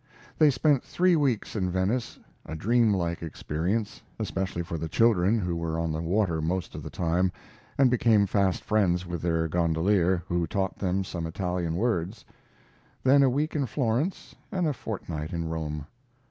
They spent three weeks in Venice: a dreamlike experience, especially for the children, who were on the water most of the time, and became fast friends with their gondolier, who taught them some Italian words; then a week in Florence and a fortnight in Rome.